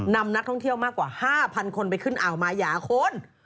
นำนักท่องเที่ยวมากกว่า๕๐๐คนไปขึ้นอ่าวมายาคน